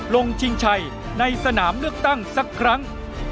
ชิงชัยในสนามเลือกตั้งสักครั้ง